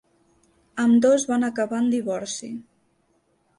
Ambdós van acabar en divorci.